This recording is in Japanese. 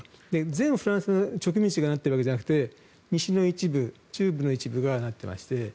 全部のフランスの植民地がなっているわけではなくて西の一部中部の一部がなっていまして